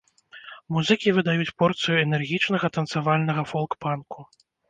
Музыкі выдаюць порцыю энергічнага танцавальнага фолк-панку.